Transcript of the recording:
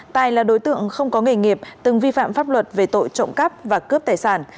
tài là đối tượng không có nghề nghiệp từng vi phạm pháp luật về tội trộm cắp và cướp tài sản